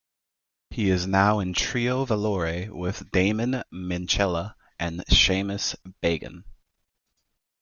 He is now in Trio Valore with Damon Minchella and Seamus Beaghan.